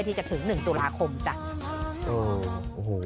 ที่จะถึง๑ตุลาคมจ้ะ